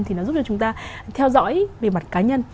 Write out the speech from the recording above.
thì nó giúp cho chúng ta theo dõi về mặt cá nhân